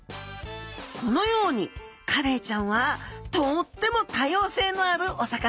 このようにカレイちゃんはとっても多様性のあるお魚。